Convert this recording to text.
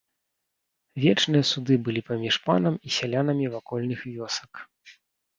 Вечныя суды былі паміж панам і сялянамі вакольных вёсак.